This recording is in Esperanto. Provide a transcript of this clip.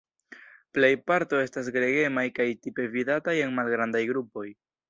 Plej parto estas gregemaj kaj tipe vidataj en malgrandaj grupoj.